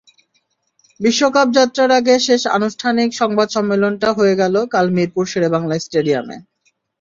বিশ্বকাপ-যাত্রার আগে শেষ আনুষ্ঠানিক সংবাদ সম্মেলনটা হয়ে গেল কাল মিরপুর শেরেবাংলা স্টেডিয়ামে।